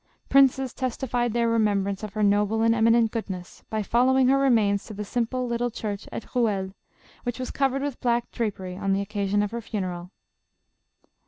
Princes testified their remembrance of her noble and eminent goodness, by following her remains to the simple, little church at Rouel. which was covered with black drapery on the occasion of her funeral.